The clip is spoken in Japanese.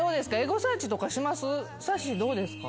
さっしーどうですか？